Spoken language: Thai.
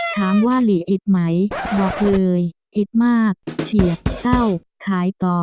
ถามว่าหลีอิดไหมบอกเลยอิดมากเฉียดเศร้าขายต่อ